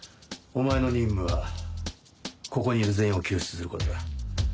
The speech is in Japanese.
お前の任務はここにいる全員を救出することだ。